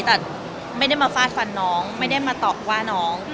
แต่ไม่ได้มาฟาดฟันน้องไม่ได้มาตอบว่าน้อง